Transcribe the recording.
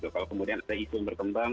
kalau kemudian ada isu yang berkembang